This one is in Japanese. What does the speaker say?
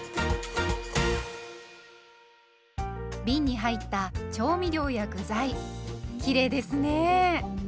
びんに入った調味料や具材きれいですね。